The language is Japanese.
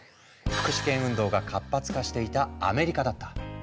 福祉権運動が活発化していたアメリカだった。